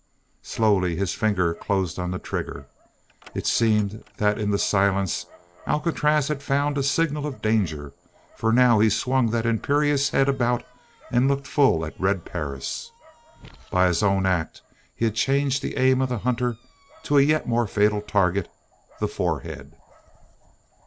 Slowly his finger closed on the trigger. It seemed that in the silence Alcatraz had found a signal of danger for now he swung that imperious head about and looked full at Red Perris. By his own act he had changed the aim of the hunter to a yet more fatal target the forehead.